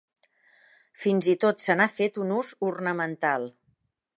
Fins i tot se n'ha fet un ús ornamental.